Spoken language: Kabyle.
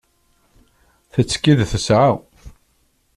Tettkid tesεa.